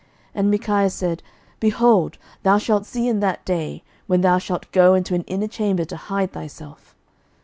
11:022:025 And Micaiah said, Behold, thou shalt see in that day, when thou shalt go into an inner chamber to hide thyself.